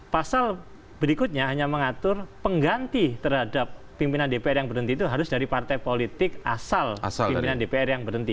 pasal berikutnya hanya mengatur pengganti terhadap pimpinan dpr yang berhenti itu harus dari partai politik asal pimpinan dpr yang berhenti